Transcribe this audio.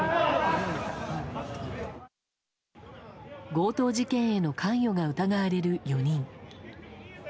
強盗事件への関与が疑われる４人。